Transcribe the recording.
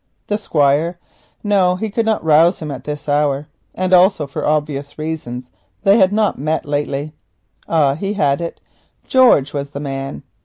The Squire? No, he could not rouse him at this hour, and also, for obvious reasons, they had not met lately. Ah, he had it. George was the man!